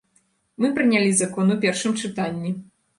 Мы прынялі закон у першым чытанні.